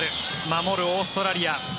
守るオーストラリア。